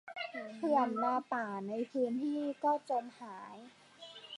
เขื่อนมาป่าในพื้นที่ก็จมหาย